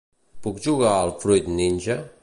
Puc jugar al "Fruit ninja"?